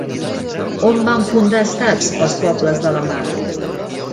On van fundar estats els pobles de la mar?